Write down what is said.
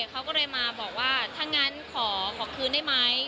เขาก็เลยมาบอกว่าถ้างั้นขอคืนได้ไหม